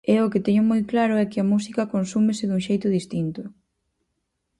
Eu o que teño moi claro é que a música consúmese dun xeito distinto.